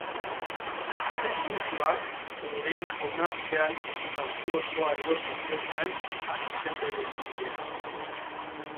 Lehengusuak lehen jaunartzean ekipazio osoa erosi zionean hasi zen bere ibilbidea.